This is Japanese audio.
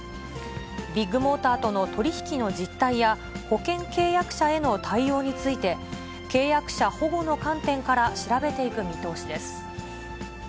ビッグモーターとの取り引きの実態や、保険契約者への対応について、契約者保護の観点から調べていく見通しです。